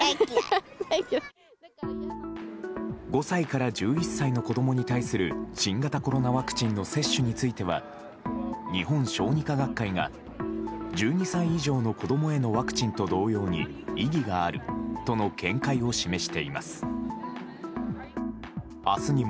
５歳から１１歳の子供に対する新型コロナワクチンの接種については日本小児科学会が１２歳以上の子供へのワクチンと同様に意義があるとの見解を示しています。